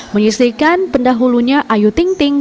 menyisikan pendahulunya ayu ting ting